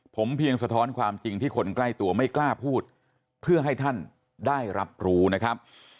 ผมเพียงสะท้อนความจริงที่คนใกล้ตัวไม่กล้าพูดเพื่อให้ท่านได้รับรู้นะครับ